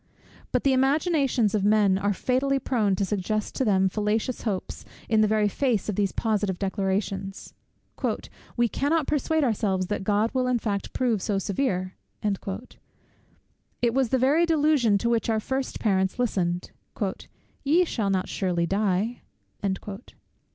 But the imaginations of men are fatally prone to suggest to them fallacious hopes in the very face of these positive declarations. "We cannot persuade ourselves that God will in fact prove so severe." It was the very delusion to which our first parents listened; "Ye shall not surely die."